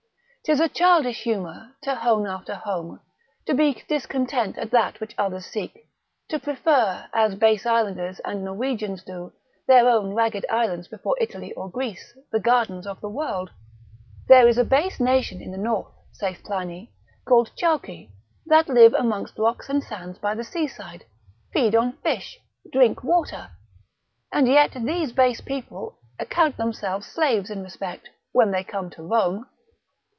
'Tis a childish humour to hone after home, to be discontent at that which others seek; to prefer, as base islanders and Norwegians do, their own ragged island before Italy or Greece, the gardens of the world. There is a base nation in the north, saith Pliny, called Chauci, that live amongst rocks and sands by the seaside, feed on fish, drink water: and yet these base people account themselves slaves in respect, when they come to Rome.